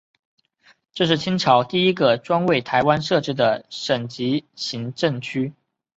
这是清朝第一个专为台湾设置的省级行政区。